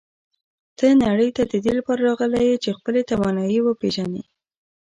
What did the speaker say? ته نړۍ ته د دې لپاره راغلی یې چې خپلې توانایی وپېژنې.